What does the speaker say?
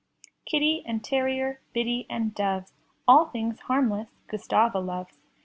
Kitty and terrier, biddy and doves. All things harmless Gustava loves.